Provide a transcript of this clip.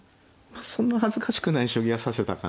そんな恥ずかしくない将棋は指せたかなと。